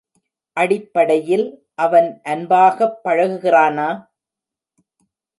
அடிப்படையில் அவன் அன்பாகப் பழகுகிறானா?